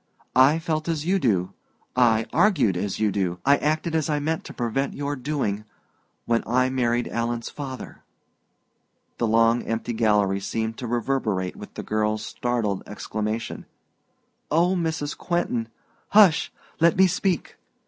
I felt as you do, I argued as you do, I acted as I mean to prevent your doing, when I married Alan's father." The long empty gallery seemed to reverberate with the girl's startled exclamation "Oh, Mrs. Quentin " "Hush; let me speak.